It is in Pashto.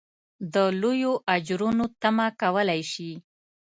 د لویو اجرونو تمه کولای شي.